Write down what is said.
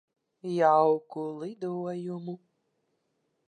Jauku lidojumu.